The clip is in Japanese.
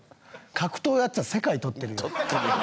格闘やってたら世界とってるよ。